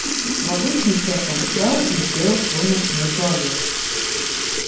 В обычный час он встал и сделал свой ночной туалет.